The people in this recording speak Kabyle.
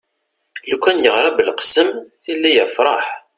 lukan yeɣra belqsem tili yefreḥ